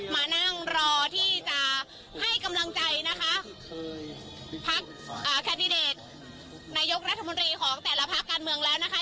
มานั่งรอที่จะให้กำลังใจนะคะพักแคนดิเดตนายกรัฐมนตรีของแต่ละพักการเมืองแล้วนะคะ